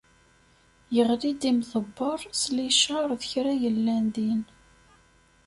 Yeɣli-d imḍebber s licaṛ d kra yellan din.